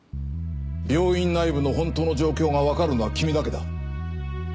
病院内部の本当の状況がわかるのは君だけだ。